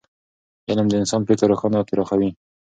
علم د انسان فکر روښانه او پراخوي.